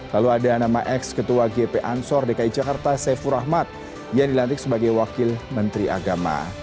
lalu ada nama ex ketua gp ansor dki jakarta saiful rahmat yang dilantik sebagai wakil menteri agama